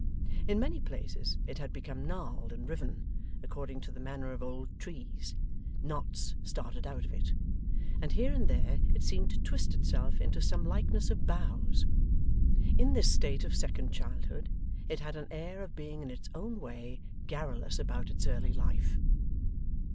In many places it had become gnarled and riven, according to the manner of old trees; knots started out of it; and here and there it seemed to twist itself into some likeness of boughs. In this state of second childhood, it had an air of being in its own way garrulous about its early life.